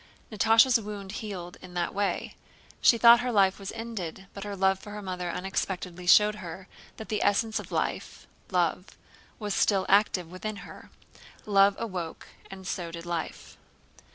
Natásha's wound healed in that way. She thought her life was ended, but her love for her mother unexpectedly showed her that the essence of life—love—was still active within her. Love awoke and so did life.